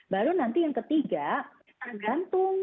baru nanti yang ketiga tergantung